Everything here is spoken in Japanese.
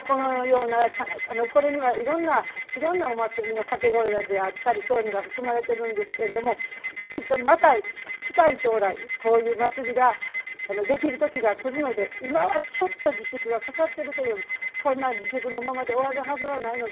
きっと、いろんなお祭りの掛け声であったり、そういうのは含まれてるんですけれど、きっとまた近い将来、こういう祭りができる時が来るので、今はちょっと自粛がかかってるけれど、自粛のままで終わるはずはないので、